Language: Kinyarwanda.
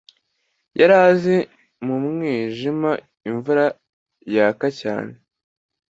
yari azi mu mwijima imvura yaka cyane